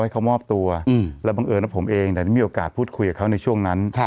เขามอบตัวแล้วบังเอิญว่าผมเองได้มีโอกาสพูดคุยกับเขาในช่วงนั้น